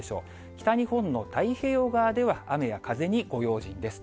北日本の太平洋側では雨や風にご用心です。